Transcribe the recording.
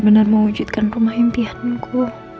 benar mewujudkan rumah impianku